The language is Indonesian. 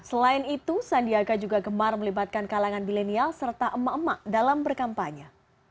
selain itu sandiaga juga gemar melibatkan kalangan milenial serta emak emak dalam berkampanye